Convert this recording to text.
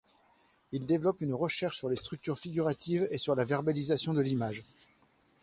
Il développe une recherche sur les structures figuratives et sur la verbalisation de l’image.